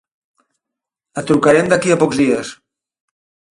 El trucarem d'aquí a pocs dies.